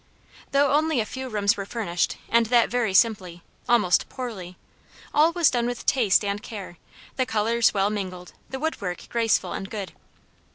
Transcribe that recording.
Though only a few rooms were furnished, and that very simply, almost poorly, all was done with taste and care; the colours well mingled, the wood work graceful and good.